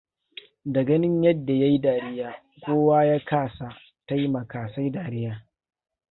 Da ganin yadda ya yi dariya, kowa ya kasa taimaka sai dariya.